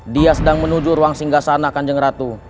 dia sedang menuju ruang singgah sana kanjeng ratu